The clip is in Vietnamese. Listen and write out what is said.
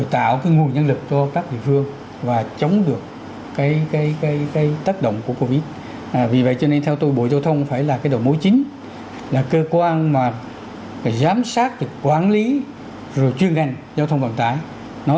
tại địa phương vùng có nguy cơ trung bình và nguy cơ cao